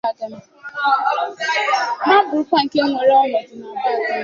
ma bụrụkwa nke weere ọnọdụ n'Abagana